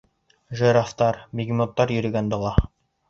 Жирафтар, бегемоттар йөрөгән дала.